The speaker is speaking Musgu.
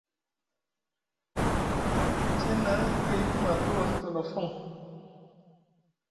Tiyana e yiki marɗi war tolofoŋ.